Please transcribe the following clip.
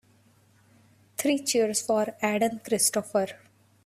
Three cheers for Aden Christopher.